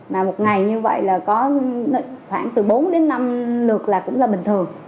mà một ngày như vậy là có khoảng từ bốn đến năm lượt là cũng là bình thường